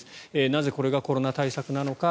なぜこれがコロナ対策なのか。